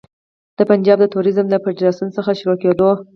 د پنجاب د توریزم له فدراسیون څخه شروع کېدو.